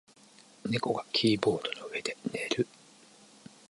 猫がキーボードの上で寝る。